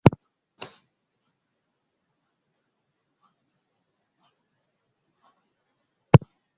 El juego recrea, como su nombre indica, la Batalla de Gettysburg.